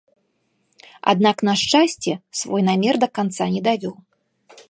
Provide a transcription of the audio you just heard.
Аднак, на шчасце, свой намер да канца не давёў.